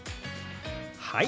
はい。